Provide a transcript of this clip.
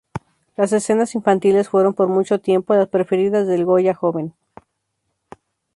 Las escenas infantiles fueron, por mucho tiempo, las preferidas del Goya joven.